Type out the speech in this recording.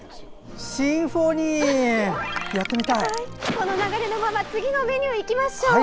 この流れのまま次のメニューいきましょう。